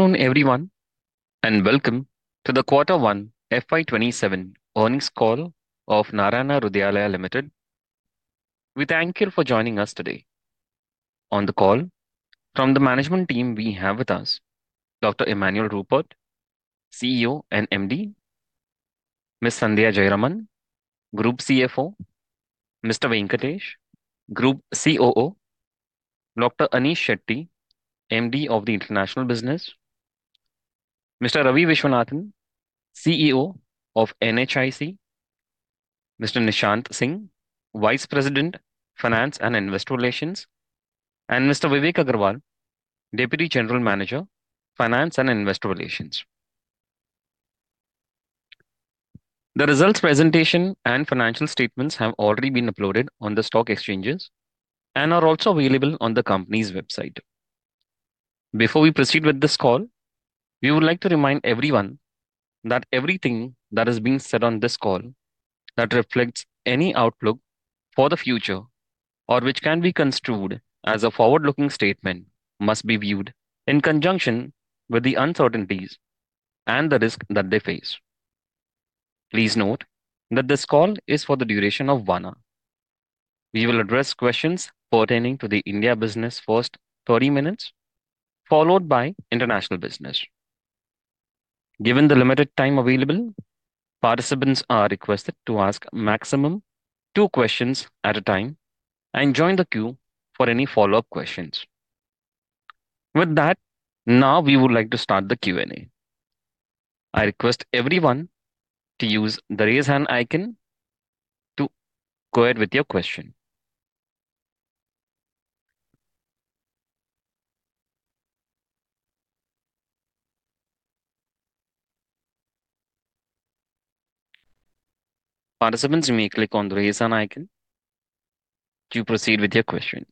Good afternoon, everyone, welcome to the quarter one FY 2027 earnings call of Narayana Hrudayalaya Limited. We thank you for joining us today. On the call from the management team we have with us Dr. Emmanuel Rupert, CEO and MD, Ms. Sandhya Jayaraman, Group CFO, Mr. Venkatesh, Group COO, Dr. Anesh Shetty, MD of the International Business, Mr. Ravi Vishwanath, CEO of NHIC, Mr. Nishant Singh, Vice President, Finance and Investor Relations, and Mr. Vivek Agarwal, Deputy General Manager, Finance and Investor Relations. The results presentation and financial statements have already been uploaded on the stock exchanges and are also available on the company's website. Before we proceed with this call, we would like to remind everyone that everything that is being said on this call that reflects any outlook for the future, or which can be construed as a forward-looking statement, must be viewed in conjunction with the uncertainties and the risk that they face. Please note that this call is for the duration of one hour. We will address questions pertaining to the India business first 30 minutes, followed by international business. Given the limited time available, participants are requested to ask maximum two questions at a time and join the queue for any follow-up questions. With that, now we would like to start the Q&A. I request everyone to use the raise hand icon to go ahead with your question. Participants, you may click on the raise hand icon to proceed with your question.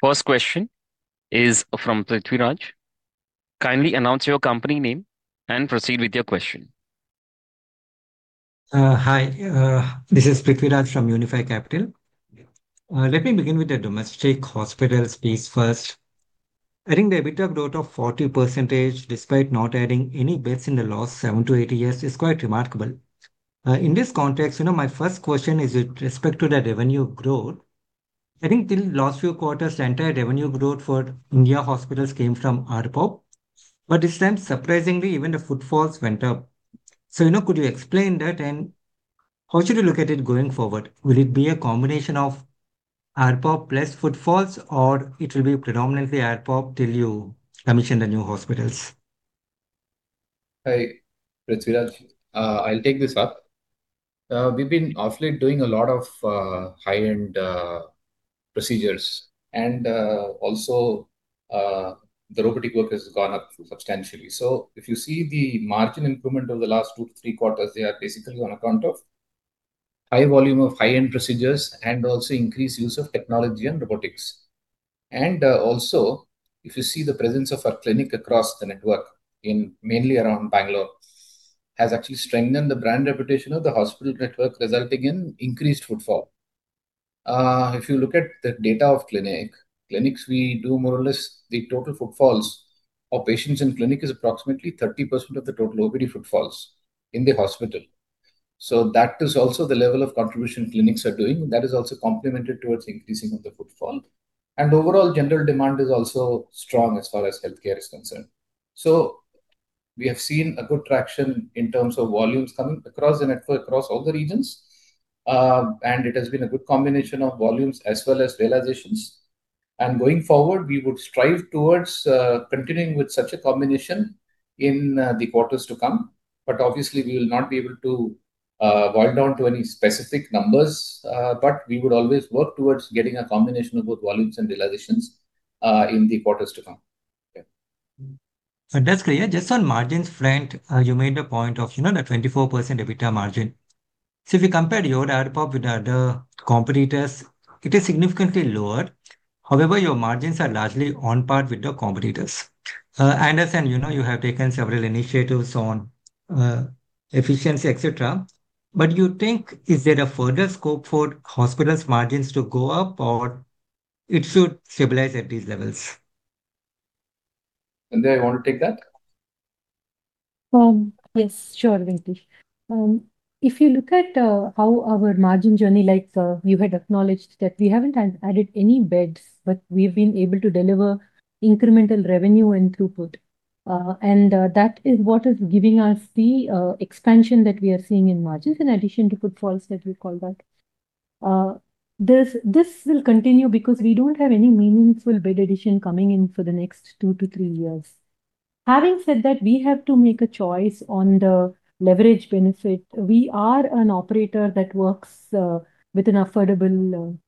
First question is from Prithvi Raj. Kindly announce your company name and proceed with your question. Hi, this is Prithvi Raj from Unifi Capital. Let me begin with the domestic hospital space first. I think the EBITDA growth of 40%, despite not adding any beds in the last seven to eight years is quite remarkable. In this context, my first question is with respect to the revenue growth. I think till last few quarters, the entire revenue growth for India hospitals came from ARPOB, but this time, surprisingly, even the footfalls went up. Could you explain that, and how should you look at it going forward? Will it be a combination of ARPOB plus footfalls, or it will be predominantly ARPOB till you commission the new hospitals? Hi, Prithvi Raj. I'll take this up. We've been awfully doing a lot of high-end procedures, and also the robotic work has gone up substantially. If you see the margin improvement over the last two to three quarters, they are basically on account of high volume of high-end procedures, and also increased use of technology and robotics. Also, if you see the presence of our clinic across the network in mainly around Bangalore has actually strengthened the brand reputation of the hospital network, resulting in increased footfall. If you look at the data of clinic, clinics we do more or less the total footfalls of patients in clinic is approximately 30% of the total OPD footfalls in the hospital. That is also the level of contribution clinics are doing. That is also complemented towards increasing of the footfall. Overall general demand is also strong as far as healthcare is concerned. We have seen a good traction in terms of volumes coming across the network, across all the regions. It has been a good combination of volumes as well as realizations. Going forward, we would strive towards continuing with such a combination in the quarters to come. Obviously, we will not be able to boil down to any specific numbers. We would always work towards getting a combination of both volumes and realizations in the quarters to come. Yeah. That's clear. Just on margins front, you made a point of the 24% EBITDA margin. If you compare your ARPOB with other competitors, it is significantly lower. However, your margins are largely on par with your competitors. I understand you have taken several initiatives on efficiency, et cetera. You think is there a further scope for hospitals margins to go up or it should stabilize at these levels? Sandhya, you want to take that? Yes, sure, Venkatesh. If you look at how our margin journey likes, you had acknowledged that we haven't added any beds, but we've been able to deliver incremental revenue and throughput. That is what is giving us the expansion that we are seeing in margins in addition to footfalls that we call back. This will continue because we don't have any meaningful bed addition coming in for the next two to three years. Having said that, we have to make a choice on the leverage benefit. We are an operator that works with an affordable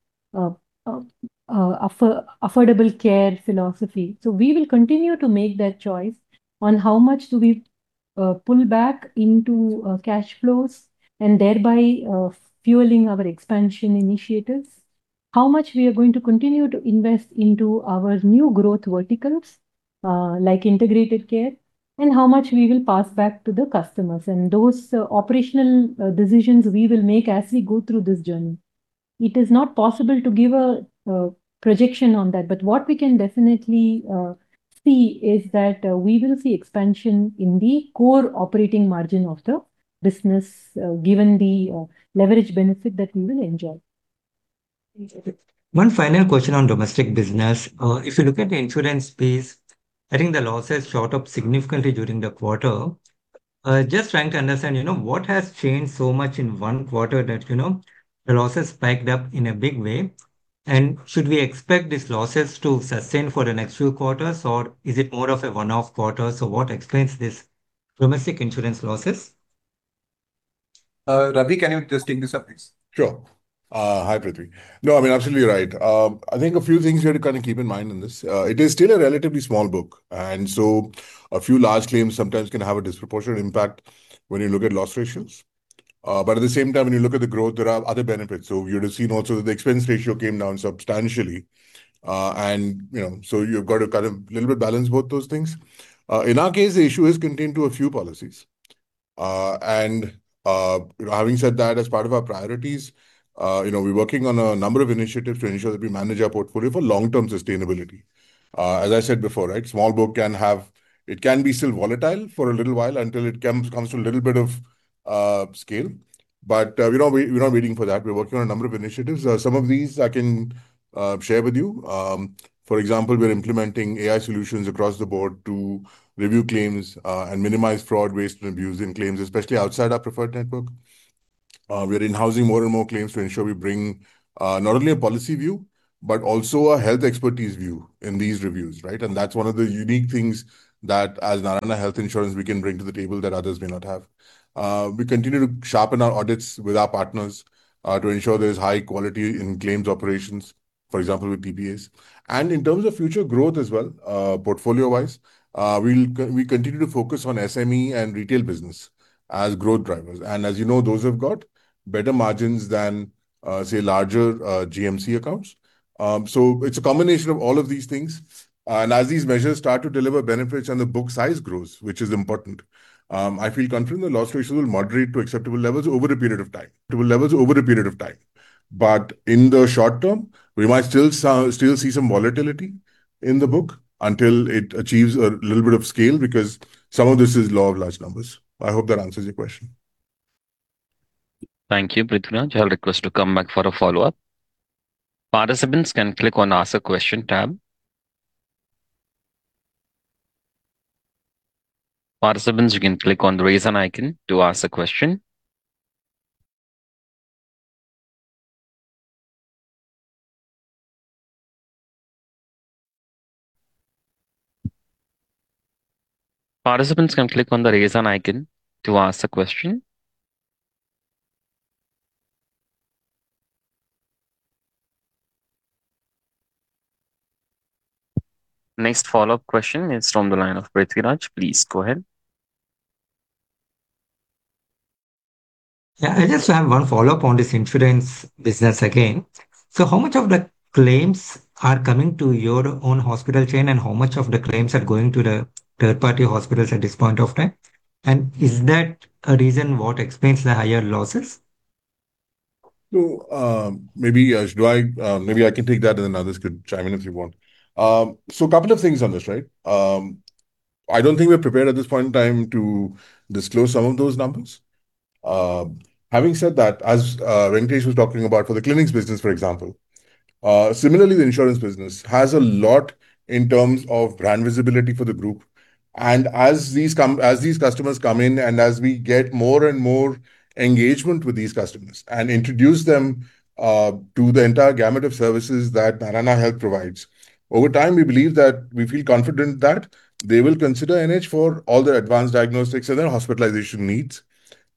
care philosophy. We will continue to make that choice on how much do we pull back into cash flows and thereby fueling our expansion initiatives. How much we are going to continue to invest into our new growth verticals, like integrated care, and how much we will pass back to the customers. Those operational decisions we will make as we go through this journey. It is not possible to give a projection on that. What we can definitely see is that we will see expansion in the core operating margin of the business, given the leverage benefit that we will enjoy. One final question on domestic business. If you look at the insurance space, I think the losses shot up significantly during the quarter. Just trying to understand, what has changed so much in one quarter that the losses spiked up in a big way? Should we expect these losses to sustain for the next few quarters, or is it more of a one-off quarter? What explains this domestic insurance losses? Ravi, can you just take this up, please? Sure. Hi, Prithvi. Absolutely right. I think a few things we have to keep in mind on this. It is still a relatively small book, so a few large claims sometimes can have a disproportionate impact when you look at loss ratios. At the same time, when you look at the growth, there are other benefits. You would've seen also that the expense ratio came down substantially. You've got to kind of a little bit balance both those things. In our case, the issue is contained to a few policies. Having said that, as part of our priorities, we're working on a number of initiatives to ensure that we manage our portfolio for long-term sustainability. As I said before, right, small book can be still volatile for a little while until it comes to a little bit of scale. We're not waiting for that. We're working on a number of initiatives. Some of these I can share with you. For example, we're implementing AI solutions across the board to review claims and minimize fraud waste and abuse in claims, especially outside our preferred network. We're in-housing more and more claims to ensure we bring not only a policy view, but also a health expertise view in these reviews, right? That's one of the unique things that as Narayana Health Insurance we can bring to the table that others may not have. We continue to sharpen our audits with our partners to ensure there's high quality in claims operations, for example, with TPAs. In terms of future growth as well, portfolio-wise, we continue to focus on SME and retail business as growth drivers. As you know, those have got better margins than, say, larger GMC accounts. It's a combination of all of these things. As these measures start to deliver benefits and the book size grows, which is important, I feel confident the loss ratios will moderate to acceptable levels over a period of time. In the short term, we might still see some volatility in the book until it achieves a little bit of scale, because some of this is law of large numbers. I hope that answers your question. Thank you, Prithvi Raj. I'll request to come back for a follow-up. Participants can click on ask a question tab. Participants, you can click on the raise hand icon to ask a question. Participants can click on the raise hand icon to ask a question. Next follow-up question is from the line of Prithvi Raj. Please go ahead. I just have one follow-up on this insurance business again. How much of the claims are coming to your own hospital chain, and how much of the claims are going to the third-party hospitals at this point of time? Is that a reason what explains the higher losses? Maybe I can take that and then others could chime in if you want. Couple of things on this, right? I don't think we are prepared at this point in time to disclose some of those numbers. Having said that, as Venkatesh was talking about for the clinics business, for example. Similarly, the insurance business has a lot in terms of brand visibility for the group. As these customers come in, and as we get more and more engagement with these customers and introduce them to the entire gamut of services that Narayana Health provides. Over time, we feel confident that they will consider NH for all their advanced diagnostics and their hospitalization needs.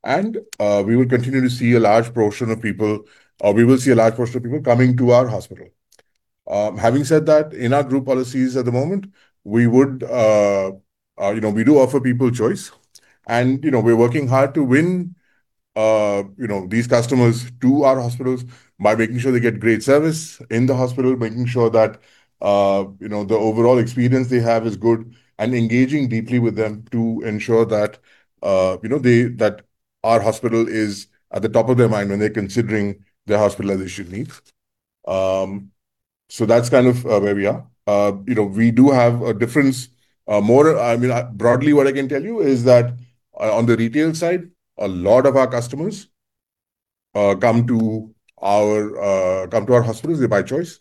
We will see a large portion of people coming to our hospital. Having said that, in our group policies at the moment, we do offer people choice and we are working hard to win these customers to our hospitals by making sure they get great service in the hospital, making sure that the overall experience they have is good, and engaging deeply with them to ensure that our hospital is at the top of their mind when they are considering their hospitalization needs. That is kind of where we are. We do have a difference. Broadly what I can tell you is that on the retail side, a lot of our customers come to our hospitals by choice.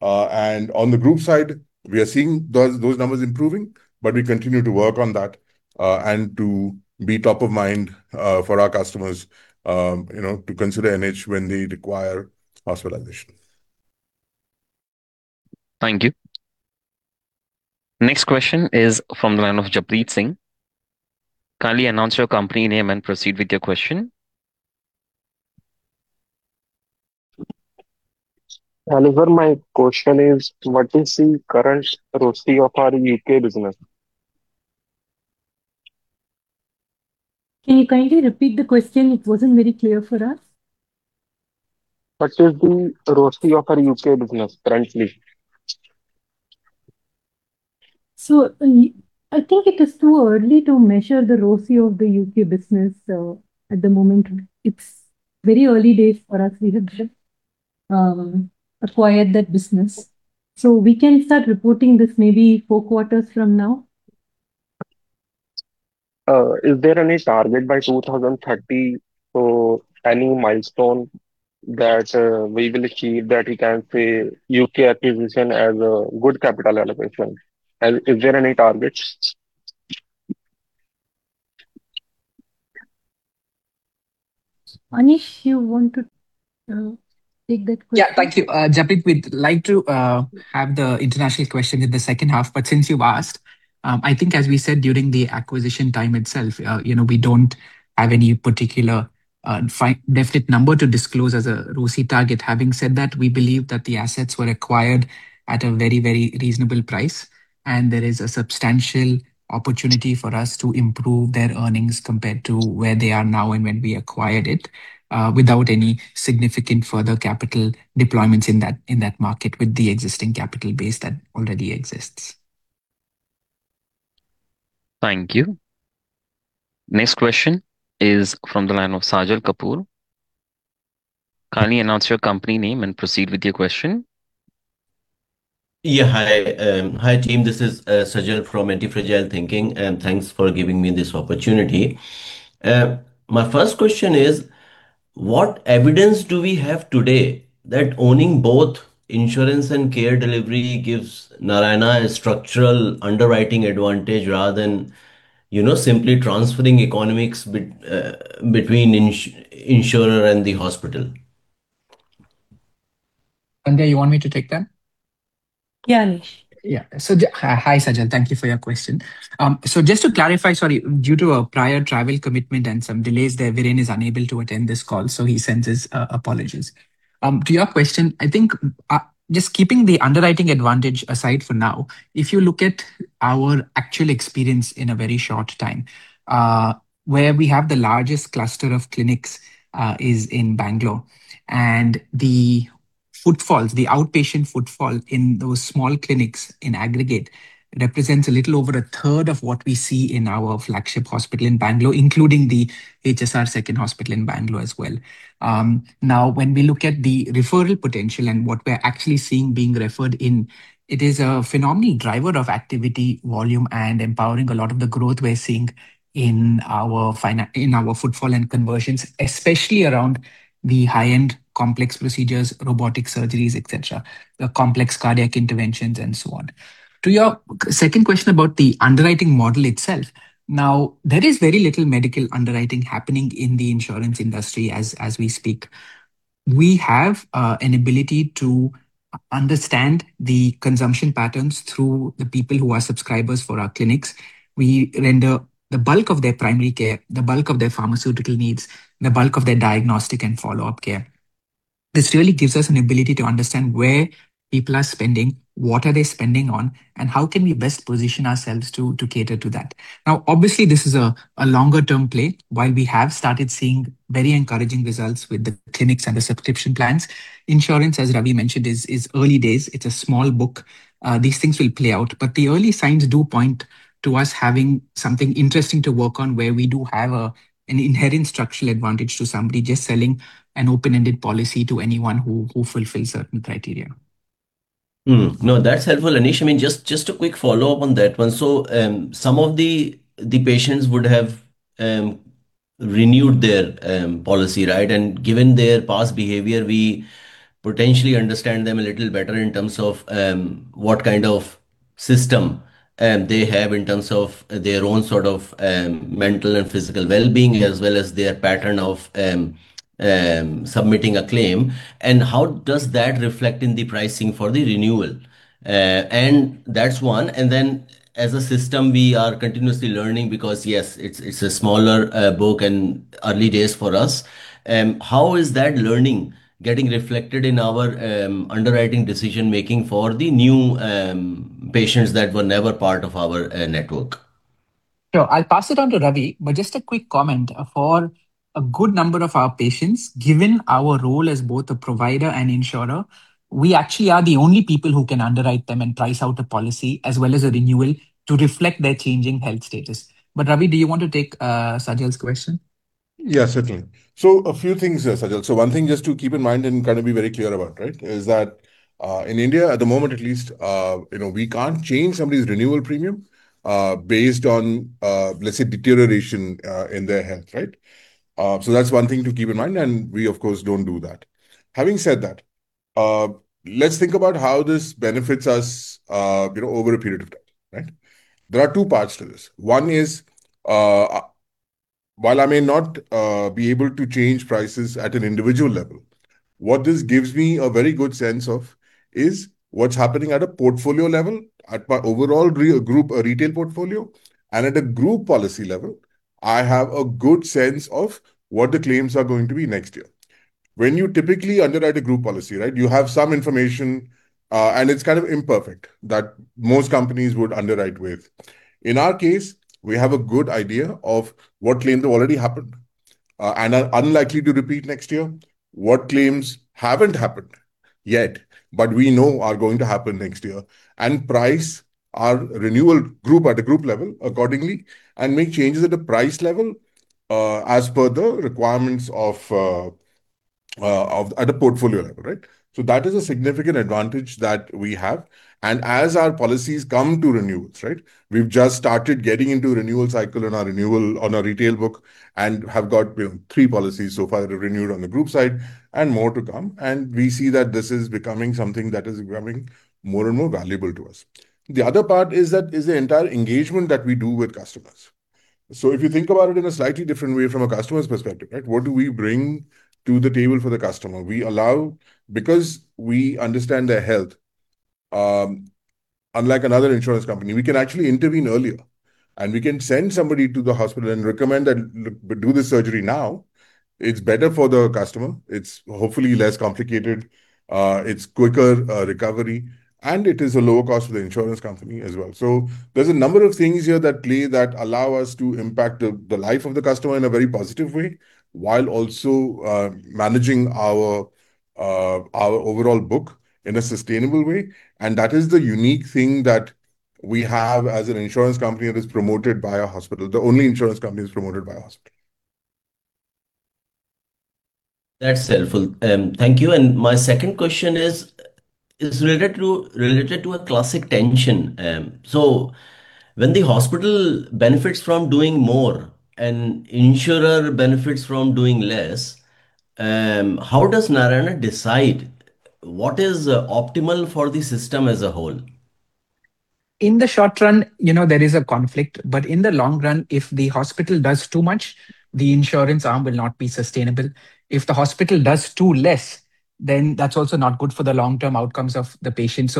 On the group side, we are seeing those numbers improving, but we continue to work on that and to be top of mind for our customers to consider NH when they require hospitalization. Thank you. Next question is from the line of Japjit Singh. Kindly announce your company name and proceed with your question. Hello, sir. My question is, what is the current royalty of our U.K. business? Can you kindly repeat the question? It wasn't very clear for us. What is the ROCE of our U.K. business currently? I think it is too early to measure the ROCE of the U.K. business. At the moment, it's very early days for us. We have just acquired that business, we can start reporting this maybe four quarters from now. Is there any target by 2030, any milestone that we will achieve that we can say U.K. acquisition as a good capital allocation? Is there any targets? Anesh, you want to take that question? Yeah. Thank you. Japjit, we'd like to have the international question in the second half, but since you've asked, I think as we said during the acquisition time itself, we don't have any particular definite number to disclose as a ROCE target. Having said that, we believe that the assets were acquired at a very reasonable price, and there is a substantial opportunity for us to improve their earnings compared to where they are now and when we acquired it, without any significant further capital deployments in that market with the existing capital base that already exists. Thank you. Next question is from the line of Sajal Kapoor. Kindly announce your company name and proceed with your question. Yeah. Hi. Hi, team. This is Sajal from Antifragile Thinking, and thanks for giving me this opportunity. My first question is: what evidence do we have today that owning both insurance and care delivery gives Narayana a structural underwriting advantage rather than simply transferring economics between insurer and the hospital? Sandhya, you want me to take that? Yeah, Anesh. Yeah. Hi, Sajal. Thank you for your question. Just to clarify, sorry, due to a prior travel commitment and some delays there, Viren is unable to attend this call, so he sends his apologies. To your question, I think just keeping the underwriting advantage aside for now, if you look at our actual experience in a very short time, where we have the largest cluster of clinics is in Bangalore. The footfalls, the outpatient footfall in those small clinics in aggregate represents a little over a third of what we see in our flagship hospital in Bangalore, including the HSR second hospital in Bangalore as well. When we look at the referral potential and what we're actually seeing being referred in, it is a phenomenal driver of activity, volume, and empowering a lot of the growth we're seeing in our footfall and conversions, especially around the high-end complex procedures, robotic surgeries, et cetera, the complex cardiac interventions and so on. To your second question about the underwriting model itself. There is very little medical underwriting happening in the insurance industry as we speak. We have an ability to understand the consumption patterns through the people who are subscribers for our clinics. We render the bulk of their primary care, the bulk of their pharmaceutical needs, the bulk of their diagnostic and follow-up care. This really gives us an ability to understand where people are spending, what are they spending on, and how can we best position ourselves to cater to that. This is a longer-term play. While we have started seeing very encouraging results with the clinics and the subscription plans, insurance, as Ravi mentioned, is early days. It is a small book. These things will play out. The early signs do point to us having something interesting to work on, where we do have an inherent structural advantage to somebody just selling an open-ended policy to anyone who fulfills certain criteria. That is helpful, Anesh. Just a quick follow-up on that one. Some of the patients would have renewed their policy, right? Given their past behavior, we potentially understand them a little better in terms of what kind of system they have in terms of their own sort of mental and physical well-being, as well as their pattern of submitting a claim. How does that reflect in the pricing for the renewal? That is one. Then as a system, we are continuously learning because, yes, it is a smaller book and early days for us. How is that learning getting reflected in our underwriting decision-making for the new patients that were never part of our network? I will pass it on to Ravi, just a quick comment. For a good number of our patients, given our role as both a provider and insurer, we actually are the only people who can underwrite them and price out a policy as well as a renewal to reflect their changing health status. Ravi, do you want to take Sajal's question? Certainly. A few things there, Sajal. One thing just to keep in mind and kind of be very clear about, right, is that in India at the moment at least, we cannot change somebody's renewal premium based on, let us say, deterioration in their health, right? That is one thing to keep in mind, and we of course, do not do that. Having said that, let us think about how this benefits us over a period of time, right? There are two parts to this. One is, while I may not be able to change prices at an individual level, what this gives me a very good sense of is what is happening at a portfolio level, at my overall group retail portfolio, and at a group policy level, I have a good sense of what the claims are going to be next year. When you typically underwrite a group policy, right, you have some information. It's kind of imperfect that most companies would underwrite with. In our case, we have a good idea of what claims have already happened and are unlikely to repeat next year, what claims haven't happened yet but we know are going to happen next year, and price our renewal group at a group level accordingly, and make changes at a price level as per the requirements at a portfolio level. Right? That is a significant advantage that we have. As our policies come to renewals, right, we've just started getting into a renewal cycle on our retail book and have got three policies so far renewed on the group side, and more to come. We see that this is becoming something that is becoming more and more valuable to us. The other part is the entire engagement that we do with customers. If you think about it in a slightly different way from a customer's perspective, right, what do we bring to the table for the customer? Because we understand their health, unlike another insurance company, we can actually intervene earlier, and we can send somebody to the hospital and recommend that do the surgery now. It's better for the customer, it's hopefully less complicated, it's quicker recovery, and it is a lower cost for the insurance company as well. There's a number of things here that play that allow us to impact the life of the customer in a very positive way, while also managing our overall book in a sustainable way. That is the unique thing that we have as an insurance company that is promoted by a hospital. The only insurance company that's promoted by a hospital. That's helpful. Thank you. My second question is related to a classic tension. When the hospital benefits from doing more and insurer benefits from doing less, how does Narayana decide what is optimal for the system as a whole? In the short run, there is a conflict. In the long run, if the hospital does too much, the insurance arm will not be sustainable. If the hospital does too less, that's also not good for the long-term outcomes of the patient.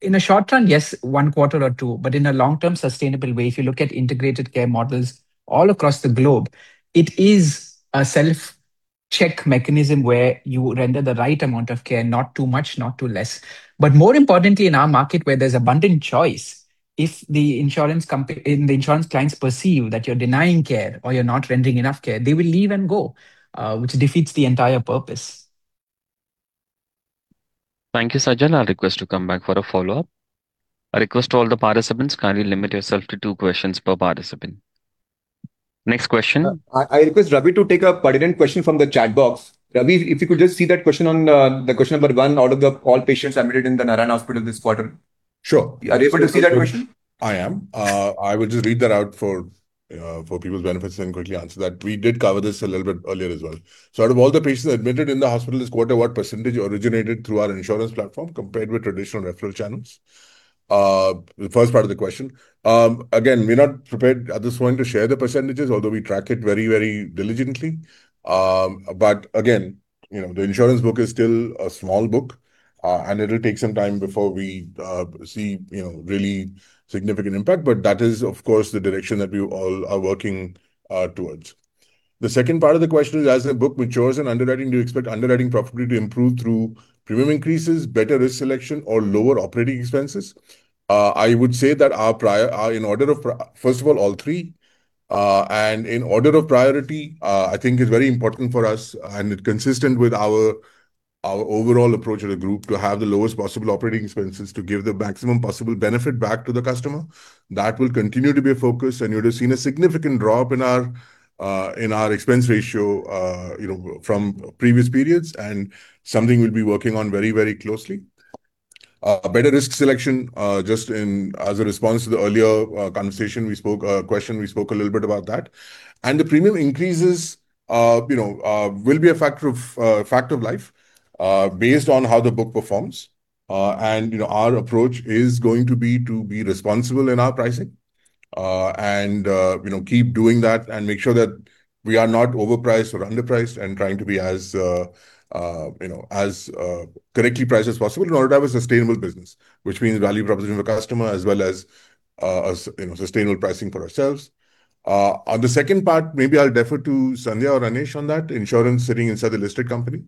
In a short term, yes, one quarter or two, in a long-term, sustainable way, if you look at integrated care models all across the globe, it is a self-check mechanism where you render the right amount of care, not too much, not too less. More importantly, in our market, where there's abundant choice, if the insurance clients perceive that you're denying care or you're not rendering enough care, they will leave and go, which defeats the entire purpose. Thank you, Sajal. I'll request to come back for a follow-up. I request to all the participants, kindly limit yourself to two questions per participant. Next question. I request Ravi to take a pertinent question from the chat box. Ravi, if you could just see that question on the question number one out of the all patients admitted in the Narayana hospital this quarter. Sure. Are you able to see that question? I am. I would just read that out for people's benefits and quickly answer that. We did cover this a little bit earlier as well. Out of all the patients admitted in the hospital this quarter, what percentage originated through our insurance platform compared with traditional referral channels? The first part of the question. Again, we're not prepared at this point to share the percentages, although we track it very diligently. Again, the insurance book is still a small book, and it will take some time before we see really significant impact. That is, of course, the direction that we all are working towards. The second part of the question is, as the book matures in underwriting, do you expect underwriting profitability to improve through premium increases, better risk selection, or lower operating expenses? I would say that in order of first of all three. In order of priority, I think it's very important for us, and it consistent with our overall approach as a group to have the lowest possible operating expenses to give the maximum possible benefit back to the customer. That will continue to be a focus, and you would have seen a significant drop in our expense ratio from previous periods, and something we'll be working on very closely. A better risk selection, just as a response to the earlier question we spoke a little bit about that. The premium increases will be a fact of life based on how the book performs. Our approach is going to be to be responsible in our pricing and keep doing that and make sure that we are not overpriced or underpriced and trying to be as correctly priced as possible in order to have a sustainable business. Which means value proposition for customer as well as sustainable pricing for ourselves. On the second part, maybe I'll defer to Sandhya or Anesh on that, insurance sitting inside the listed company.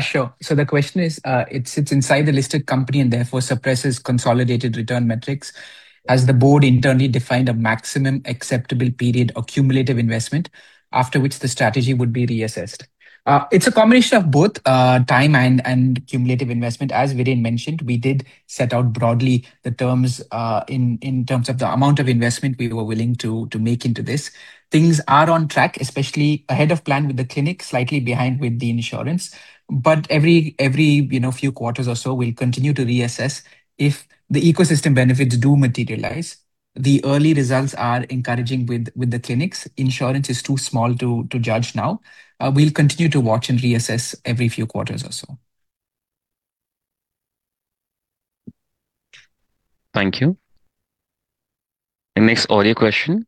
Sure. The question is, it sits inside the listed company and therefore suppresses consolidated return metrics. Has the board internally defined a maximum acceptable period of cumulative investment after which the strategy would be reassessed? It's a combination of both time and cumulative investment. As Viren mentioned, we did set out broadly the terms in terms of the amount of investment we were willing to make into this. Things are on track, especially ahead of plan with the clinic, slightly behind with the insurance. Every few quarters or so, we'll continue to reassess if the ecosystem benefits do materialize. The early results are encouraging with the clinics. Insurance is too small to judge now. We'll continue to watch and reassess every few quarters or so. Thank you. The next audio question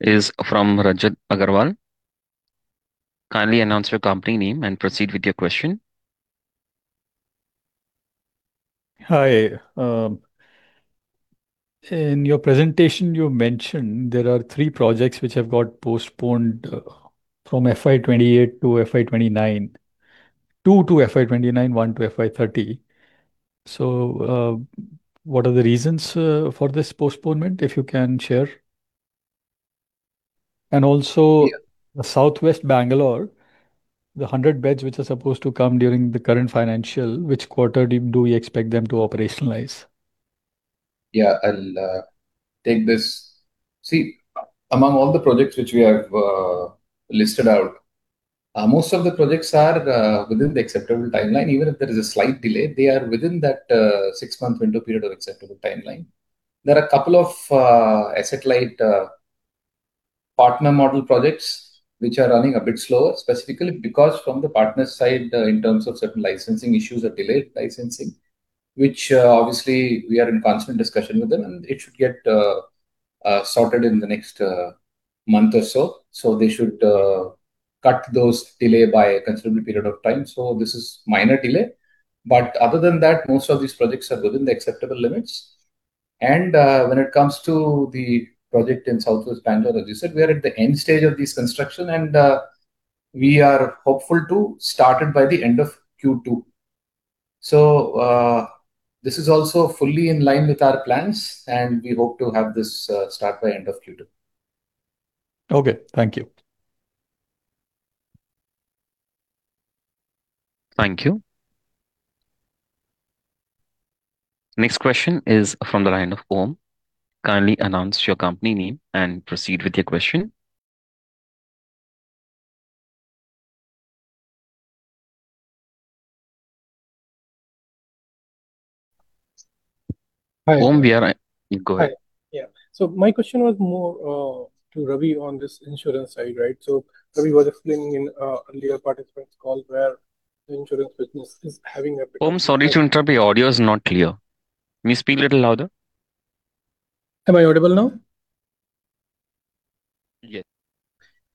is from Rajat Agarwal. Kindly announce your company name and proceed with your question. In your presentation, you mentioned there are three projects which have got postponed from FY 2028 to FY 2029. Two to FY 2029, one to FY 2030. What are the reasons for this postponement, if you can share? Yeah. Southwest Bangalore, the 100 beds which are supposed to come during the current financial, which quarter do we expect them to operationalize? Yeah, I'll take this. See, among all the projects which we have listed out, most of the projects are within the acceptable timeline. Even if there is a slight delay, they are within that six-month window period of acceptable timeline. There are a couple of asset-light partner model projects which are running a bit slow, specifically because from the partner side, in terms of certain licensing issues or delayed licensing. Which obviously, we are in constant discussion with them, and it should get sorted in the next month or so. They should cut those delay by a considerable period of time. This is minor delay. Other than that, most of these projects are within the acceptable limits. When it comes to the project in Southwest Bangalore, as you said, we are at the end stage of this construction and we are hopeful to start it by the end of Q2. This is also fully in line with our plans, and we hope to have this start by end of Q2. Okay. Thank you. Thank you. Next question is from the line of Om. Kindly announce your company name and proceed with your question. Om, Go ahead. Hi. Yeah. My question was more to Ravi on this insurance side, right? Ravi was explaining in earlier participants call where the insurance business is having. Om, sorry to interrupt, your audio is not clear. May you speak a little louder? Am I audible now? Yes.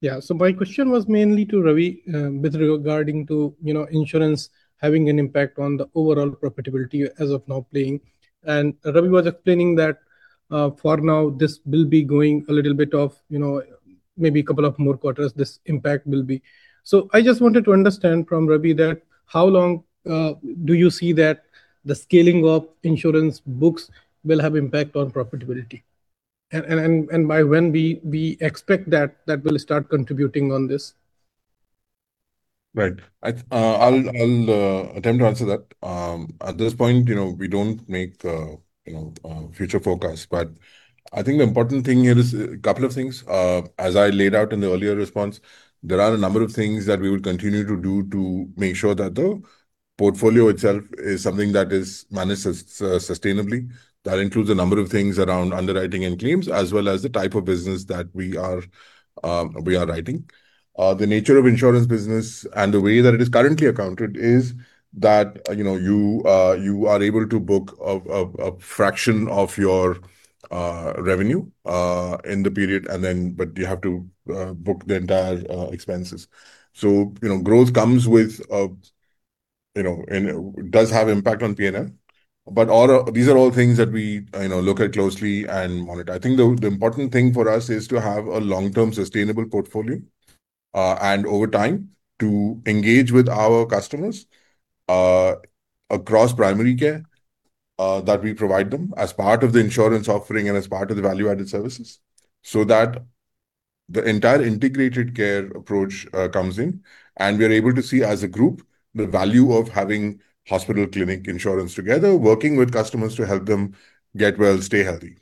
Yeah. My question was mainly to Ravi with regarding to insurance having an impact on the overall profitability as of now playing. Ravi was explaining that, for now, this will be going a little bit of maybe couple of more quarters, this impact will be. I just wanted to understand from Ravi that how long do you see that the scaling of insurance books will have impact on profitability. By when we expect that that will start contributing on this. Right. I'll attempt to answer that. At this point, we don't make future forecasts. I think the important thing here is a couple of things. As I laid out in the earlier response, there are a number of things that we will continue to do to make sure that the portfolio itself is something that is managed sustainably. That includes a number of things around underwriting and claims, as well as the type of business that we are writing. The nature of insurance business and the way that it is currently accounted is that you are able to book a fraction of your revenue in the period, but you have to book the entire expenses. Growth comes with and does have impact on P&L. These are all things that we look at closely and monitor. I think the important thing for us is to have a long-term sustainable portfolio. Over time, to engage with our customers across primary care that we provide them as part of the insurance offering and as part of the value-added services, so that the entire integrated care approach comes in, and we are able to see, as a group, the value of having hospital, clinic, insurance together, working with customers to help them get well, stay healthy.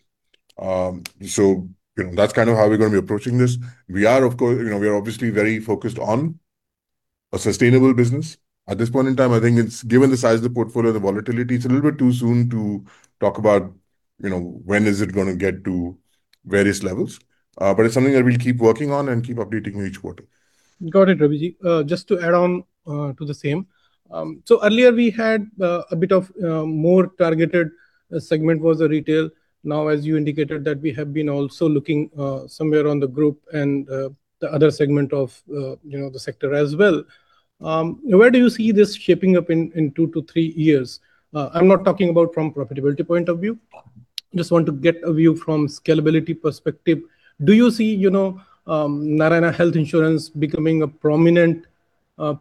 That's kind of how we're going to be approaching this. We are obviously very focused on a sustainable business. At this point in time, I think given the size of the portfolio, the volatility, it's a little bit too soon to talk about when is it going to get to various levels. It's something that we'll keep working on and keep updating you each quarter. Got it, Ravi-ji. Just to add on to the same. Earlier we had a bit of more targeted segment was the retail. Now, as you indicated, that we have been also looking somewhere on the group and the other segment of the sector as well. Where do you see this shaping up in two to three years? I'm not talking about from profitability point of view. Just want to get a view from scalability perspective. Do you see Narayana Health Insurance becoming a prominent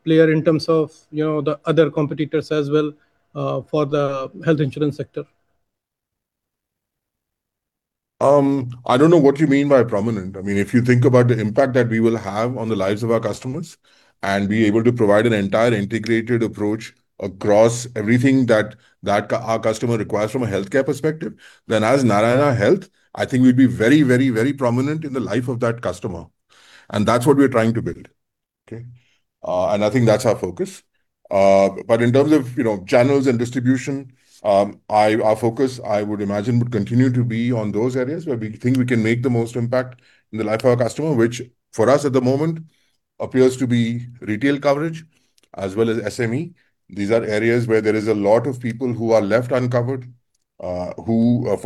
player in terms of the other competitors as well for the health insurance sector? I don't know what you mean by prominent. If you think about the impact that we will have on the lives of our customers, and be able to provide an entire integrated approach across everything that our customer requires from a healthcare perspective, then as Narayana Health, I think we'd be very prominent in the life of that customer. That's what we're trying to build. Okay. I think that's our focus. In terms of channels and distribution, our focus, I would imagine, would continue to be on those areas where we think we can make the most impact in the life of our customer, which for us at the moment appears to be retail coverage as well as SME. These are areas where there is a lot of people who are left uncovered, for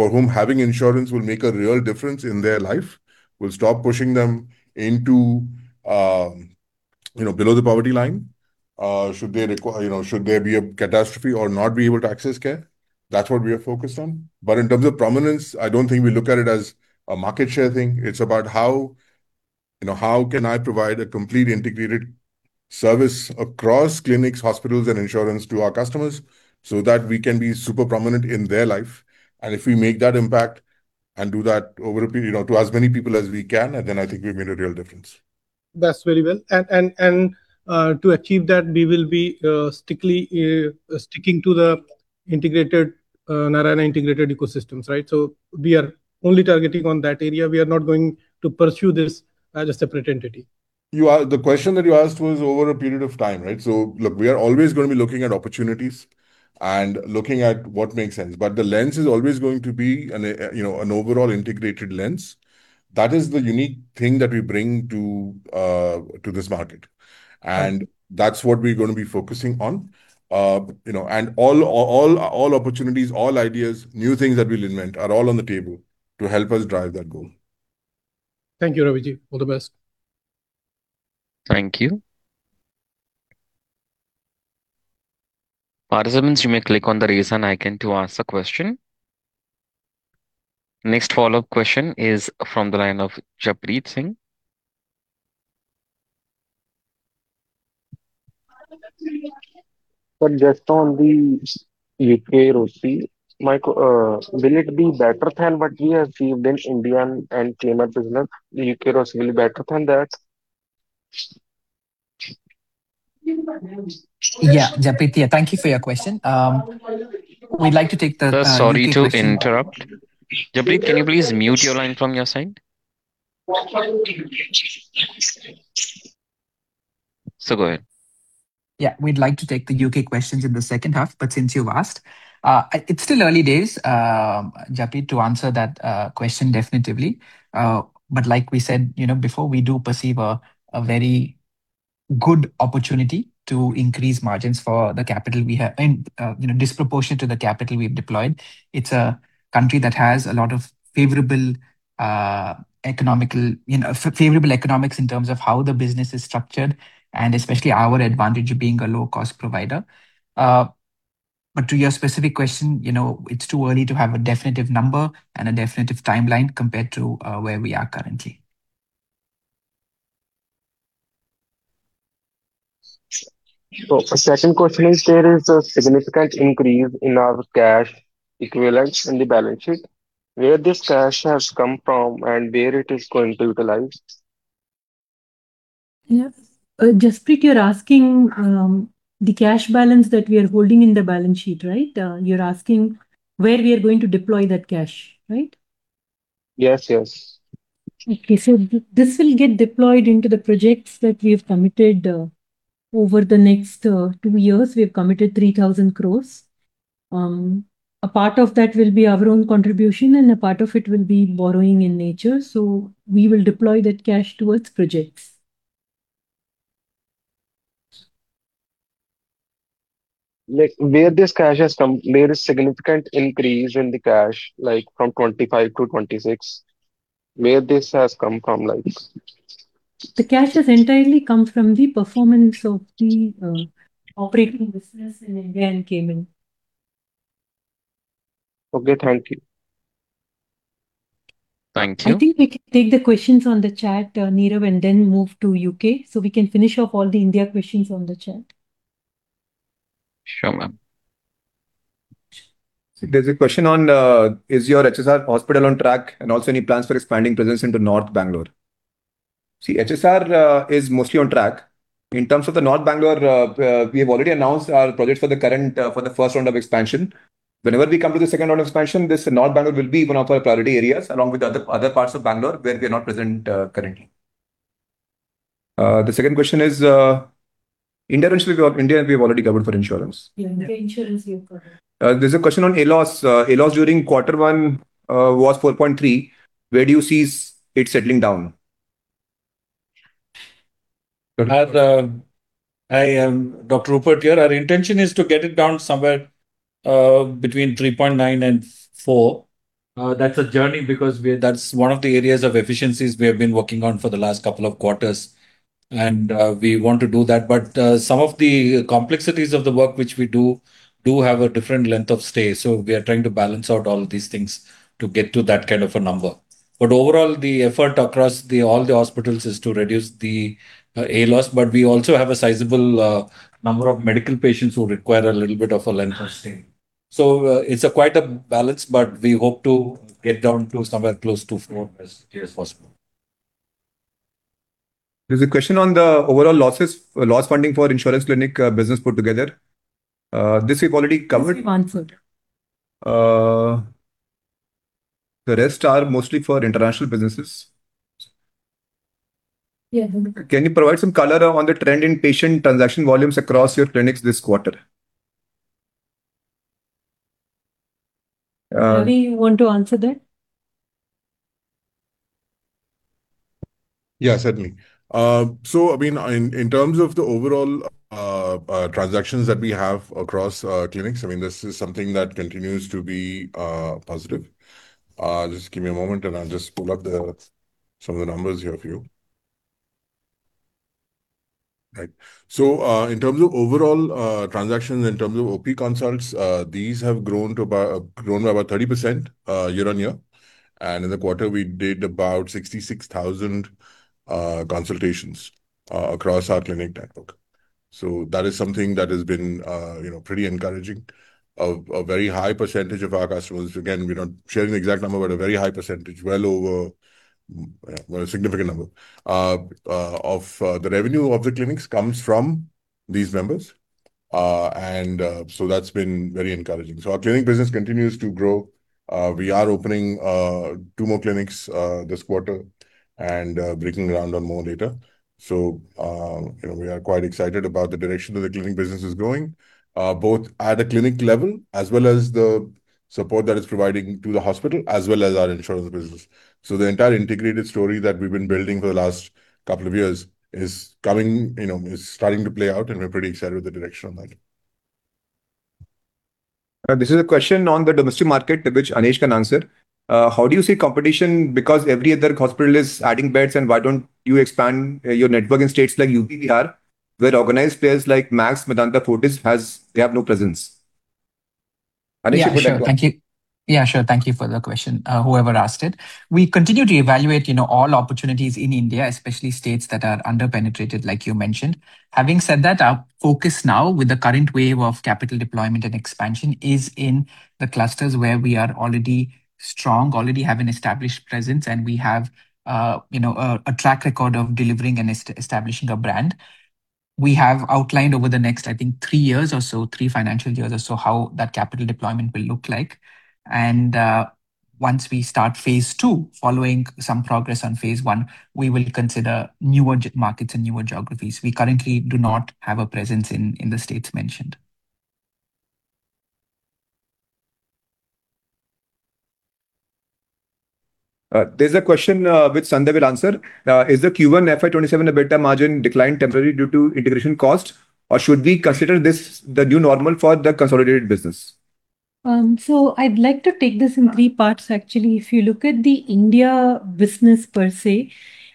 whom having insurance will make a real difference in their life, will stop pushing them into below the poverty line. Should there be a catastrophe or not be able to access care, that's what we are focused on. In terms of prominence, I don't think we look at it as a market share thing. It's about how can I provide a complete integrated service across clinics, hospitals, and insurance to our customers so that we can be super prominent in their life. If we make that impact and do that over a period to as many people as we can, then I think we've made a real difference. That's very well. To achieve that, we will be sticking to the Narayana integrated ecosystems, right? We are only targeting on that area. We are not going to pursue this as a separate entity. The question that you asked was over a period of time, right? Look, we are always going to be looking at opportunities and looking at what makes sense. The lens is always going to be an overall integrated lens. That is the unique thing that we bring to this market. That's what we're going to be focusing on. All opportunities, all ideas, new things that we'll invent are all on the table to help us drive that goal. Thank you, Ravi-ji. All the best. Thank you. Participants, you may click on the raise hand icon to ask the question. Next follow-up question is from the line of Japjit Singh. Just on the U.K. ROCE, will it be better than what we have achieved in India and Cayman business? The U.K. ROCE will be better than that? Japjit. Thank you for your question. We'd like to take Sorry to interrupt. Japjit, can you please mute your line from your side? Go ahead. We'd like to take the U.K. questions in the second half, since you've asked. It's still early days, Japjit, to answer that question definitively. Like we said before, we do perceive a very good opportunity to increase margins for the capital we have and disproportionate to the capital we've deployed. It's a country that has a lot of favorable economics in terms of how the business is structured, and especially our advantage of being a low-cost provider. To your specific question, it's too early to have a definitive number and a definitive timeline compared to where we are currently. Second question is, there is a significant increase in our cash equivalents in the balance sheet. Where this cash has come from and where it is going to utilize? Yes. Japjit, you're asking, the cash balance that we are holding in the balance sheet, right? You're asking where we are going to deploy that cash, right? Yes, yes. This will get deployed into the projects that we have committed over the next two years. We have committed 3,000 crore. A part of that will be our own contribution and a part of it will be borrowing in nature. We will deploy that cash towards projects. There is significant increase in the cash, from 2025 to 2026. Where this has come from? The cash has entirely come from the performance of the operating business in India and Cayman. Okay. Thank you. Thank you. I think we can take the questions on the chat, Neeram. Then move to U.K. We can finish off all the India questions on the chat. Sure, ma'am. There's a question on, is your HSR hospital on track, and also any plans for expanding presence into North Bangalore? See, HSR is mostly on track. In terms of the North Bangalore, we have already announced our project for the first round of expansion. Whenever we come to the second round of expansion, this North Bangalore will be one of our priority areas, along with the other parts of Bangalore where we are not present currently. The second question is, India, we have already covered for insurance. Yeah, India insurance you've covered. There's a question on ALOS. ALOS during quarter one was 4.3. Where do you see it settling down? Hi, Dr. Rupert here. Our intention is to get it down somewhere between 3.9 and four. That's a journey because that's one of the areas of efficiencies we have been working on for the last couple of quarters, and we want to do that. Some of the complexities of the work which we do have a different length of stay. We are trying to balance out all these things to get to that kind of a number. Overall, the effort across all the hospitals is to reduce the ALOS, but we also have a sizable number of medical patients who require a little bit of a length of stay. It's quite a balance, but we hope to get down to somewhere close to four as soon as possible. There's a question on the overall losses, loss funding for insurance clinic business put together. This we've already covered. We've answered. The rest are mostly for international businesses. Yes. Can you provide some color on the trend in patient transaction volumes across your clinics this quarter? Ravi, you want to answer that? Yeah, certainly. In terms of the overall transactions that we have across clinics. This is something that continues to be positive. Just give me a moment and I'll just pull up some of the numbers here for you. Right. In terms of overall transactions, in terms of OP consults, these have grown by about 30% year-on-year. In the quarter we did about 66,000 consultations across our clinic network. That is something that has been pretty encouraging. A very high percentage of our customers, again, we're not sharing the exact number, but a very high percentage, well over a significant number of the revenue of the clinics comes from these members. That's been very encouraging. Our clinic business continues to grow. We are opening two more clinics this quarter and breaking ground on more later. We are quite excited about the direction that the clinic business is going, both at a clinic level as well as the support that it's providing to the hospital, as well as our insurance business. The entire integrated story that we've been building for the last couple of years is starting to play out, and we're pretty excited with the direction on that. This is a question on the domestic market to which Anesh can answer. How do you see competition because every other hospital is adding beds, and why don't you expand your network in states like UP, Bihar, where organized players like Max, Medanta, Fortis have no presence? Anesh- Thank you for the question, whoever asked it. We continue to evaluate all opportunities in India, especially states that are under-penetrated, like you mentioned. Having said that, our focus now with the current wave of capital deployment and expansion is in the clusters where we are already strong, already have an established presence, and we have a track record of delivering and establishing a brand. We have outlined over the next, I think, three years or so, three financial years or so, how that capital deployment will look like. Once we start phase II, following some progress on phase I, we will consider newer markets and newer geographies. We currently do not have a presence in the states mentioned. There's a question which Sandhya will answer. Is the Q1 FY 2027 EBITDA margin decline temporary due to integration costs, or should we consider this the new normal for the consolidated business? I'd like to take this in three parts, actually. If you look at the India business per se,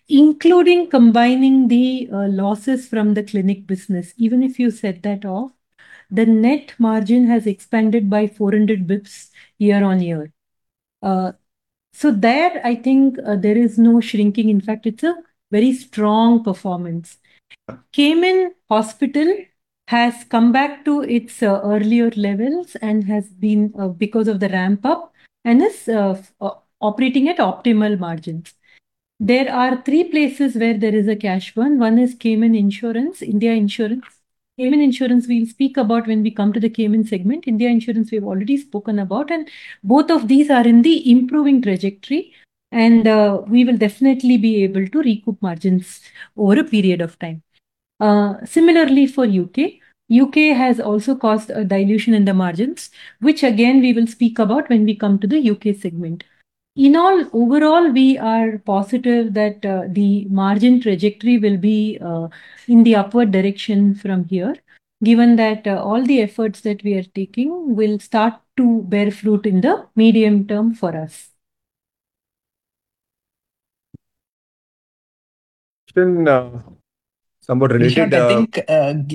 including combining the losses from the clinic business, even if you set that off, the net margin has expanded by 400 basis points year-on-year. There, I think there is no shrinking. In fact, it's a very strong performance. Cayman Hospital has come back to its earlier levels and has been because of the ramp-up and is operating at optimal margins. There are three places where there is a cash burn. One is Cayman Insurance, India Insurance. Cayman Insurance, we'll speak about when we come to the Cayman segment. India Insurance, we've already spoken about, and both of these are in the improving trajectory, and we will definitely be able to recoup margins over a period of time. Similarly, for U.K. U.K. has also caused a dilution in the margins, which again, we will speak about when we come to the U.K. segment. In all, overall, we are positive that the margin trajectory will be in the upward direction from here, given that all the efforts that we are taking will start to bear fruit in the medium term for us. Somewhat related. Nishant, I think,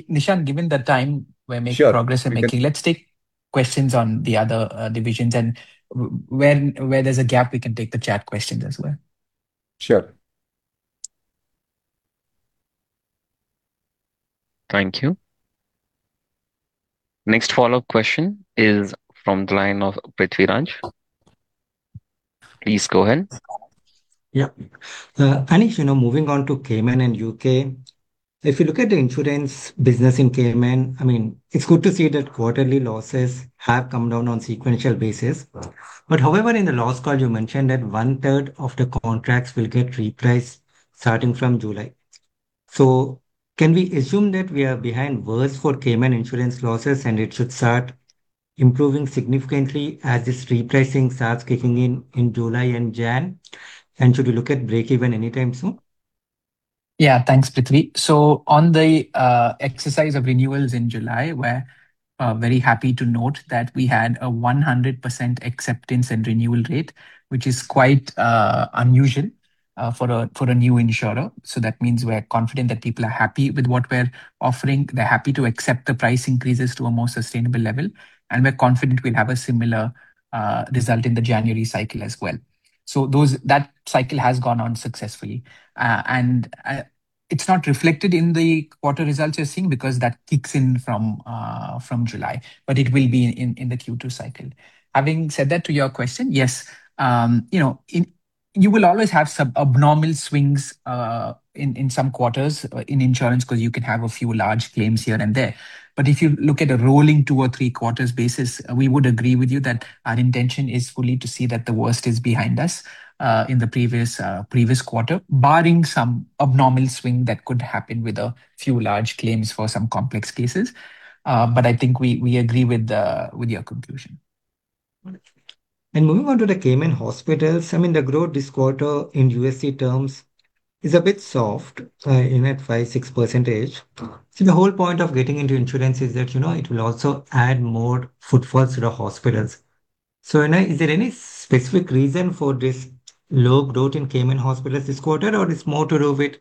Nishant, given the time we're making progress. Sure. Let's take questions on the other divisions and where there's a gap, we can take the chat questions as well. Sure. Thank you. Next follow-up question is from the line of Prithvi Raj. Please go ahead. Yeah. Anesh, moving on to Cayman and U.K. If you look at the insurance business in Cayman, it's good to see that quarterly losses have come down on sequential basis. However, in the last call, you mentioned that 1/3 of the contracts will get repriced starting from July. Can we assume that we are behind worse for Cayman Insurance losses and it should start improving significantly as this repricing starts kicking in in July and Jan? Should we look at break even anytime soon? Yeah, thanks, Prithvi. On the exercise of renewals in July, we're very happy to note that we had a 100% acceptance and renewal rate, which is quite unusual for a new insurer. That means we're confident that people are happy with what we're offering. They're happy to accept the price increases to a more sustainable level, and we're confident we'll have a similar result in the January cycle as well. That cycle has gone on successfully. It's not reflected in the quarter results you're seeing because that kicks in from July, but it will be in the Q2 cycle. Having said that, to your question, yes, you will always have some abnormal swings in some quarters in insurance because you can have a few large claims here and there. If you look at a rolling two or three quarters basis, we would agree with you that our intention is fully to see that the worst is behind us in the previous quarter, barring some abnormal swing that could happen with a few large claims for some complex cases. I mean, I think we agree with your conclusion. Moving on to the Cayman Hospitals, I mean, the growth this quarter in USD terms is a bit soft at 5%, 6%. The whole point of getting into insurance is that it will also add more footfalls to the hospitals. Is there any specific reason for this low growth in Cayman Hospitals this quarter or it's more to do with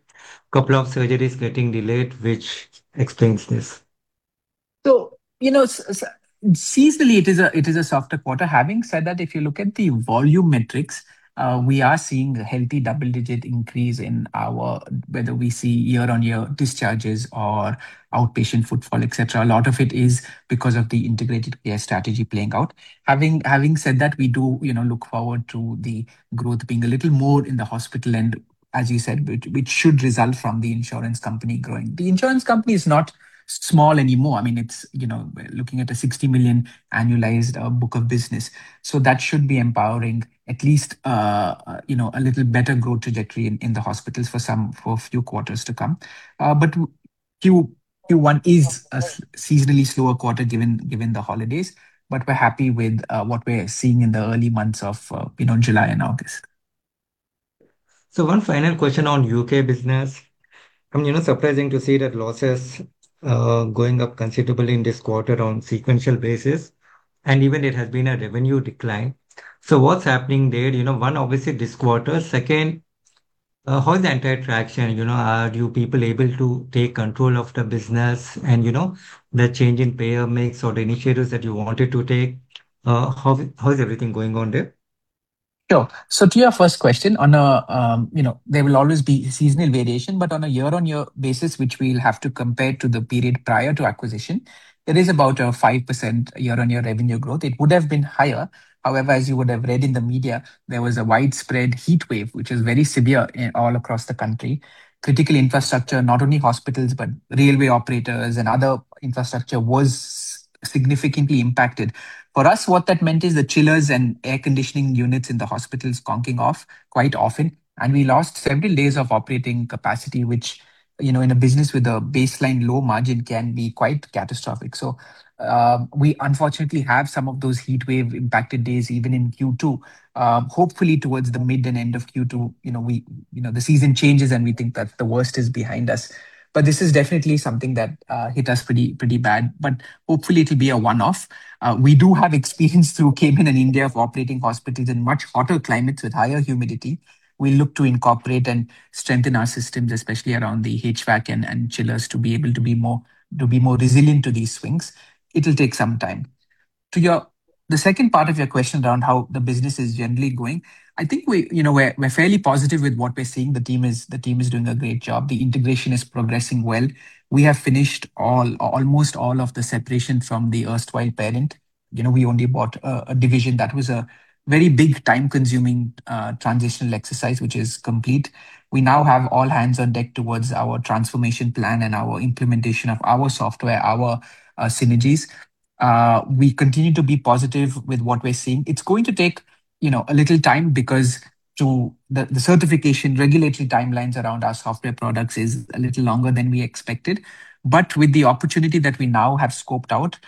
couple of surgeries getting delayed, which explains this? Seasonally, it is a softer quarter. Having said that, if you look at the volume metrics, we are seeing a healthy double-digit increase in whether we see year-on-year discharges or outpatient footfall, et cetera. A lot of it is because of the integrated care strategy playing out. Having said that, we do look forward to the growth being a little more in the hospital end, as you said, which should result from the insurance company growing. The insurance company is not small anymore. We're looking at a $60 million annualized book of business. That should be empowering at least a little better growth trajectory in the hospitals for a few quarters to come. Q1 is a seasonally slower quarter given the holidays. We're happy with what we're seeing in the early months of July and August. One final question on U.K. business. Surprising to see that losses going up considerably in this quarter on sequential basis, and even it has been a revenue decline. What's happening there? One, obviously this quarter. Second, how is the entire traction? Are you people able to take control of the business and the change in payer mix or the initiatives that you wanted to take? How is everything going on there? Sure. To your first question on, there will always be seasonal variation, but on a year-on-year basis, which we'll have to compare to the period prior to acquisition, there is about a 5% year-on-year revenue growth. It would have been higher. However, as you would have read in the media, there was a widespread heatwave, which was very severe all across the country. Critical infrastructure, not only hospitals, but railway operators and other infrastructure was significantly impacted. For us, what that meant is the chillers and air conditioning units in the hospitals conking off quite often, and we lost 70 days of operating capacity, which, in a business with a baseline low margin, can be quite catastrophic. We unfortunately have some of those heatwave impacted days even in Q2. Hopefully towards the mid and end of Q2, the season changes. We think that the worst is behind us. This is definitely something that hit us pretty bad. Hopefully it'll be a one-off. We do have experience through Cayman and India of operating hospitals in much hotter climates with higher humidity. We look to incorporate and strengthen our systems, especially around the HVAC and chillers, to be able to be more resilient to these swings. It'll take some time. To the second part of your question around how the business is generally going, I think we're fairly positive with what we're seeing. The team is doing a great job. The integration is progressing well. We have finished almost all of the separation from the erstwhile parent. We only bought a division that was a very big time-consuming transitional exercise, which is complete. We now have all hands on deck towards our transformation plan and our implementation of our software, our synergies. We continue to be positive with what we're seeing. It's going to take a little time because the certification regulatory timelines around our software products is a little longer than we expected. With the opportunity that we now have scoped out,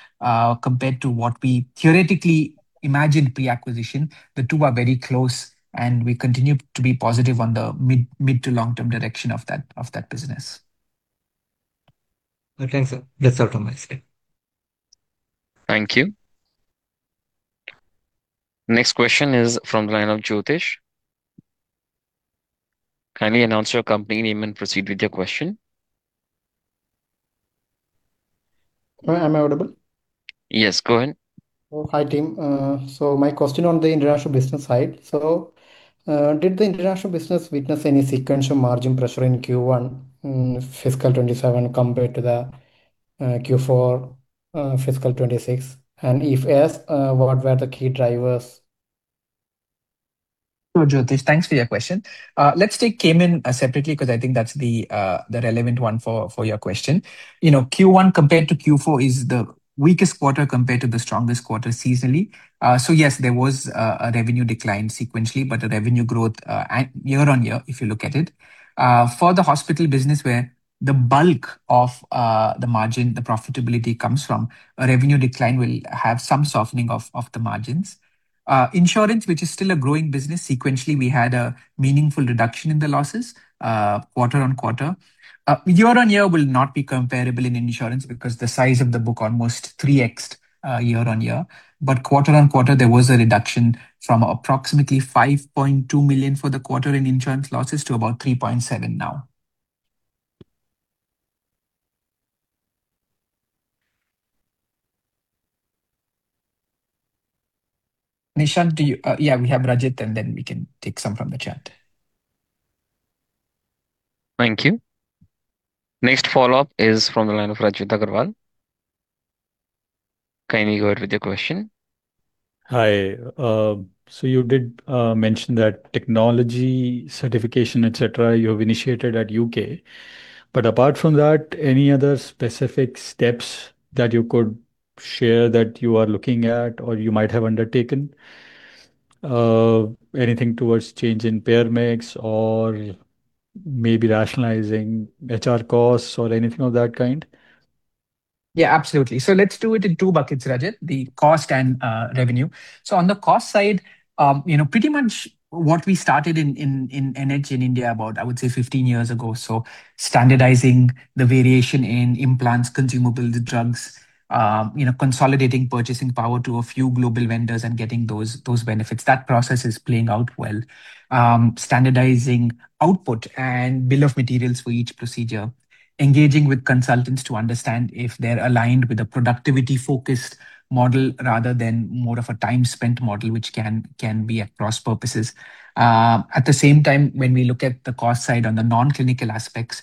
compared to what we theoretically imagined pre-acquisition, the two are very close, and we continue to be positive on the mid-to-long-term direction of that business. Thanks, sir. That's all from my side. Thank you. Next question is from the line of Jyotish. Kindly announce your company name and proceed with your question. Am I audible? Yes, go ahead. Hi, team. My question on the international business side. Did the international business witness any sequential margin pressure in Q1 fiscal 2027 compared to the Q4 fiscal 2026? If yes, what were the key drivers? Sure, Jyotish, thanks for your question. Let's take Cayman separately because I think that's the relevant one for your question. Q1 compared to Q4 is the weakest quarter compared to the strongest quarter seasonally. Yes, there was a revenue decline sequentially, but the revenue growth year-on-year, if you look at it, for the hospital business where the bulk of the margin, the profitability comes from, a revenue decline will have some softening of the margins. Insurance, which is still a growing business sequentially, we had a meaningful reduction in the losses, quarter-on-quarter. Year-on-year will not be comparable in insurance because the size of the book almost 3x'd year-on-year. Quarter-on-quarter, there was a reduction from approximately $5.2 million for the quarter in insurance losses to about $3.7 million now. Nishant, we have Rajat, and then we can take some from the chat. Thank you. Next follow-up is from the line of Rajat Agarwal. Kindly go ahead with your question. Hi. You did mention that technology certification, et cetera, you have initiated at U.K. Apart from that, any other specific steps that you could share that you are looking at or you might have undertaken? Anything towards change in payer mix or maybe rationalizing HR costs or anything of that kind? Yeah, absolutely. Let's do it in two buckets, Rajat, the cost and revenue. On the cost side, pretty much what we started in NH in India about, I would say, 15 years ago. Standardizing the variation in implants, consumables, the drugs, consolidating purchasing power to a few global vendors and getting those benefits. That process is playing out well. Standardizing output and bill of materials for each procedure, engaging with consultants to understand if they're aligned with a productivity-focused model rather than more of a time-spent model, which can be at cross-purposes. At the same time, when we look at the cost side on the non-clinical aspects,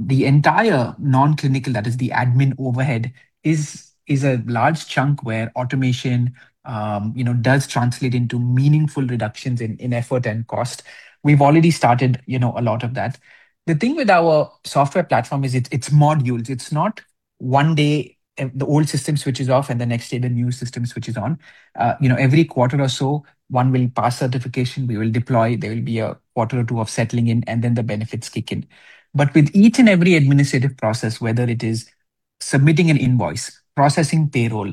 the entire non-clinical, that is the admin overhead, is a large chunk where automation does translate into meaningful reductions in effort and cost. We've already started a lot of that. The thing with our software platform is it's modules. It's not one day the old system switches off and the next day the new system switches on. Every quarter or so, one will pass certification, we will deploy, there will be a quarter or two of settling in, and then the benefits kick in. With each and every administrative process, whether it is submitting an invoice, processing payroll,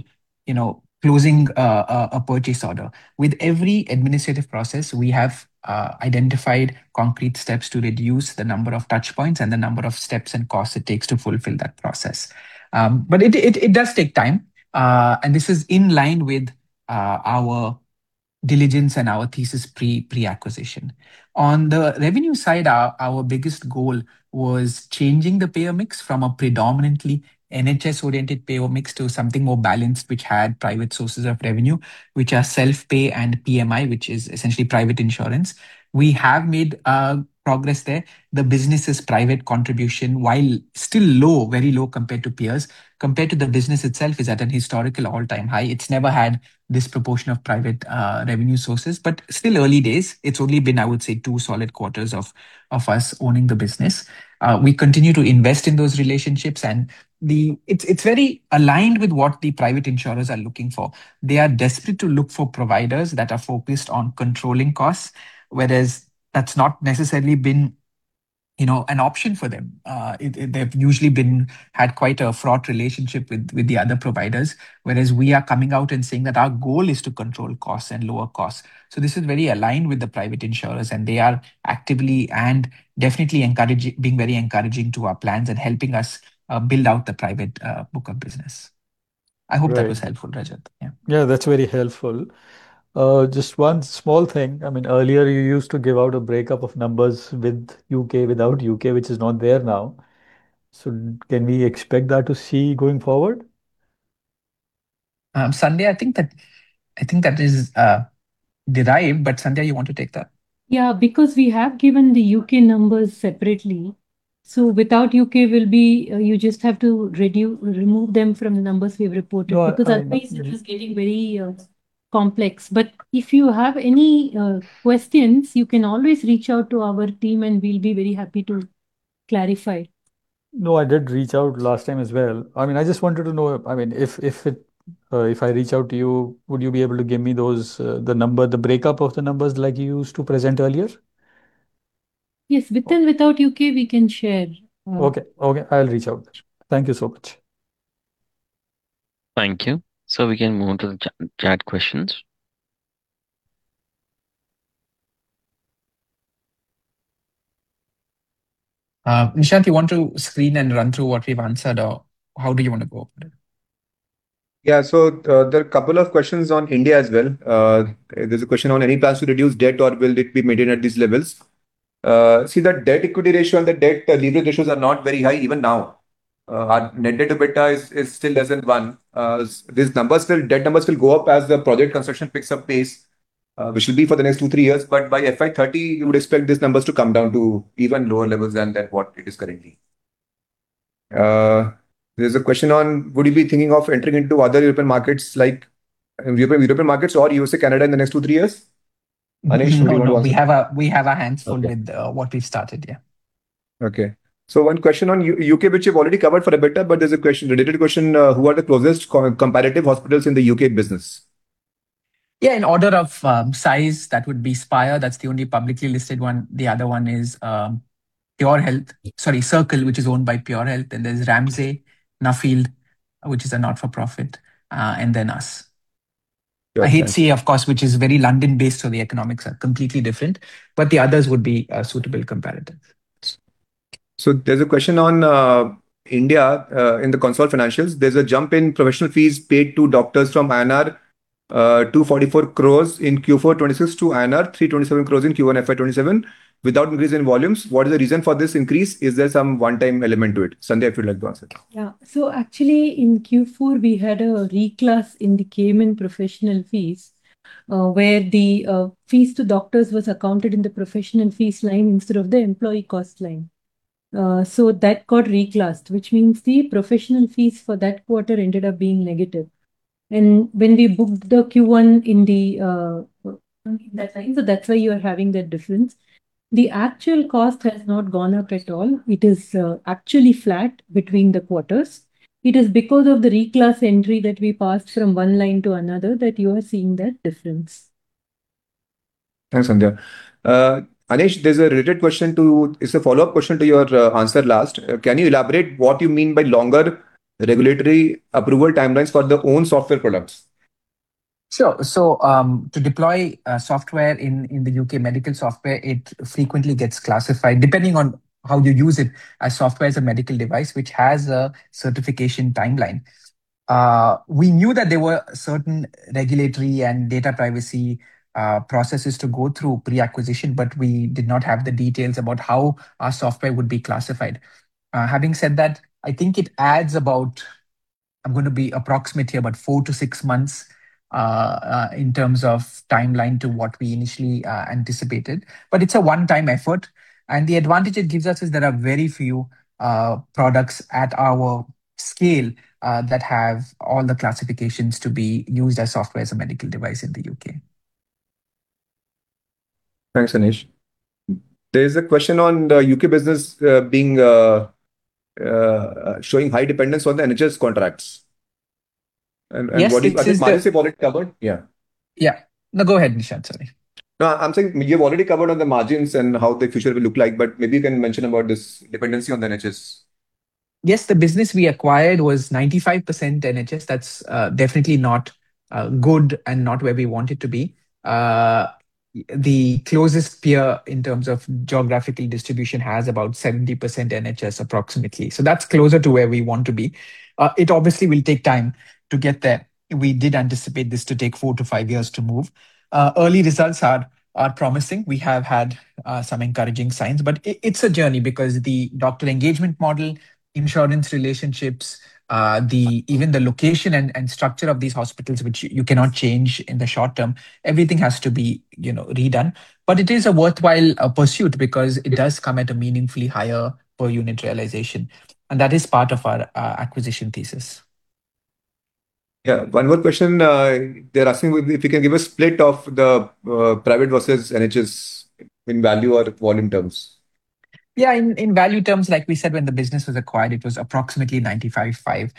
closing a purchase order. With every administrative process, we have identified concrete steps to reduce the number of touchpoints and the number of steps and costs it takes to fulfill that process. It does take time, and this is in line with our diligence and our thesis pre-acquisition. On the revenue side, our biggest goal was changing the payer mix from a predominantly NHS-oriented payer mix to something more balanced, which had private sources of revenue, which are self-pay and PMI, which is essentially private insurance. We have made progress there. The business' private contribution, while still low, very low compared to peers, compared to the business itself, is at an historical all-time high. It's never had this proportion of private revenue sources. Still early days. It's only been, I would say, two solid quarters of us owning the business. We continue to invest in those relationships, and it's very aligned with what the private insurers are looking for. They are desperate to look for providers that are focused on controlling costs, whereas that's not necessarily been an option for them. They've usually had quite a fraught relationship with the other providers, whereas we are coming out and saying that our goal is to control costs and lower costs. This is very aligned with the private insurers, and they are actively and definitely being very encouraging to our plans and helping us build out the private book of business. I hope that was helpful, Rajat. Yeah. Yeah, that's very helpful. Just one small thing. Earlier you used to give out a breakup of numbers with U.K., without U.K., which is not there now. Can we expect that to see going forward? Sandhya, I think that is derived. Sandhya, you want to take that? Yeah, because we have given the U.K. numbers separately. Without U.K., you just have to remove them from the numbers we've reported. Yeah. Otherwise it is getting very complex. If you have any questions, you can always reach out to our team and we'll be very happy to clarify. No, I did reach out last time as well. I just wanted to know if I reach out to you, would you be able to give me the breakup of the numbers like you used to present earlier? Yes. With and without U.K., we can share. Okay. I'll reach out. Thank you so much. Thank you. We can move on to the chat questions. Nishant, you want to screen and run through what we've answered, or how do you want to go about it? Yeah. There are a couple of questions on India as well. There's a question on any plans to reduce debt or will it be maintained at these levels. The debt-equity ratio and the debt leverage ratios are not very high even now. Our net debt-to-EBITDA is still doesn't 1x. These debt numbers will go up as the project construction picks up pace which will be for the next two, three years. By FY 2030, you would expect these numbers to come down to even lower levels than what it is currently. There's a question on would you be thinking of entering into other European markets or USA, Canada in the next two, three years? Anesh, what do you want to- We have our hands full with what we've started. Yeah. Okay. One question on U.K., which you've already covered for EBITDA, there's a related question, who are the closest comparative hospitals in the U.K. business? Yeah, in order of size, that would be Spire. That's the only publicly listed one. The other one is Circle, which is owned by PureHealth. There's Ramsay, Nuffield, which is a not-for-profit, and then us. Okay. HCA, of course, which is very London-based, so the economics are completely different, but the others would be suitable comparatives. There's a question on India. In the consolidated financials, there's a jump in professional fees paid to doctors from INR 244 crore in Q4 2026 to INR 327 crore in Q1 FY 2027 without increase in volumes. What is the reason for this increase? Is there some one-time element to it? Sandhya, if you'd like to answer. Yeah. Actually, in Q4, we had a reclass in the Cayman professional fees, where the fees to doctors was accounted in the professional fees line instead of the employee cost line. That got reclassed, which means the professional fees for that quarter ended up being negative. When we booked the Q1, that's why you are having that difference. The actual cost has not gone up at all. It is actually flat between the quarters. It is because of the reclass entry that we passed from one line to another that you are seeing that difference. Thanks, Sandhya. Anesh, it's a follow-up question to your answer last. Can you elaborate what you mean by longer regulatory approval timelines for the own software products? Sure. To deploy software in the U.K., medical software, it frequently gets classified, depending on how you use it, as software as a medical device, which has a certification timeline. We knew that there were certain regulatory and data privacy processes to go through pre-acquisition, we did not have the details about how our software would be classified. Having said that, I think it adds about, I'm going to be approximate here, but four to six months in terms of timeline to what we initially anticipated. It's a one-time effort, and the advantage it gives us is there are very few products at our scale that have all the classifications to be used as software as a medical device in the U.K. Thanks, Anesh. There's a question on the U.K. business showing high dependence on the NHS contracts. Yes. It is. I think it's already covered. Yeah. Yeah. Go ahead, Nishant, sorry. I'm saying you've already covered on the margins and how the future will look like, but maybe you can mention about this dependency on the NHS. The business we acquired was 95% NHS. That's definitely not good and not where we want it to be. The closest peer in terms of geographical distribution has about 70% NHS approximately. That's closer to where we want to be. It obviously will take time to get there. We did anticipate this to take four to five years to move. Early results are promising. We have had some encouraging signs. It's a journey because the doctor engagement model, insurance relationships, even the location and structure of these hospitals, which you cannot change in the short term, everything has to be redone. It is a worthwhile pursuit because it does come at a meaningfully higher per unit realization, and that is part of our acquisition thesis. One more question. They're asking if you can give a split of the private versus NHS in value or volume terms. In value terms, like we said, when the business was acquired, it was approximately 95/5.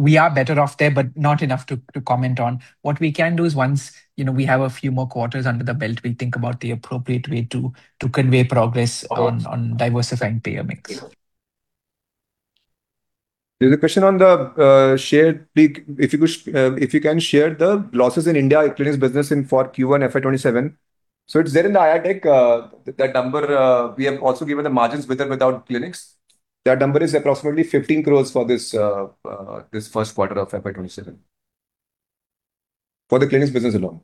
We are better off there, but not enough to comment on. What we can do is once we have a few more quarters under the belt, we'll think about the appropriate way to convey progress on diversifying payer mix. There's a question on the share peak. If you can share the losses in India clinics business in for Q1 FY 2027. It's there in the ITEC, that number. We have also given the margins with or without clinics. That number is approximately 15 crore for this first quarter of FY 2027 for the clinics business alone.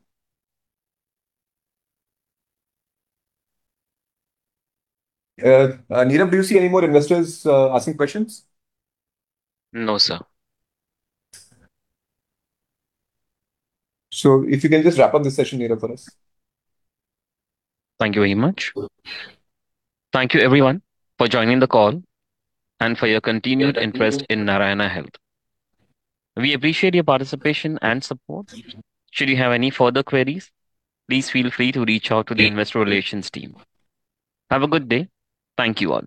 Neeram, do you see any more investors asking questions? No, sir. If you can just wrap up this session, Neeram, for us. Thank you very much. Thank you everyone for joining the call and for your continued interest in Narayana Health. We appreciate your participation and support. Should you have any further queries, please feel free to reach out to the investor relations team. Have a good day. Thank you all.